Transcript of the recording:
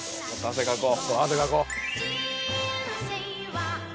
汗かこう。